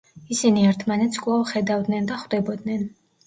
ისინი ერთმანეთს კვლავ ხედავდნენ და ხვდებოდნენ.